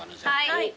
はい。